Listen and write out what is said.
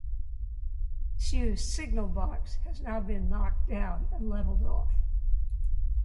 The disused signal box has now been knocked down and levelled off.